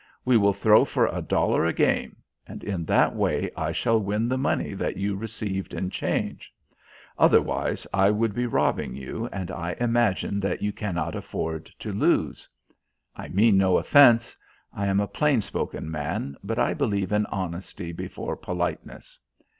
We will throw for a dollar a game, and in that way I shall win the money that you received in change. Otherwise I would be robbing you, and I imagine that you cannot afford to lose. I mean no offence. I am a plain spoken man, but I believe in honesty before politeness."